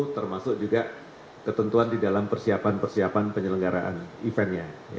termasuk juga ketentuan di dalam persiapan persiapan penyelenggaraan eventnya